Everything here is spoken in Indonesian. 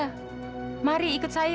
kau semua ingin menemukannya